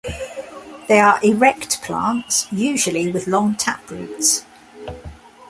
They are erect plants, usually with long taproots.